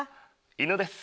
犬です。